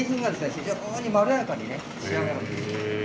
非常にまろやかにね仕上がるんですよ。